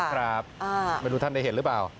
ครับไม่รู้ท่านได้เห็นหรือเปล่า